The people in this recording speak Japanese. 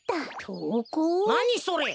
なにそれ？